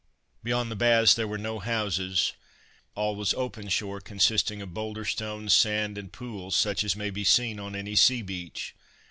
Beyond the baths there were no houses, all was open shore consisting of boulder stones, sand, and pools, such as may be seen on any sea beach.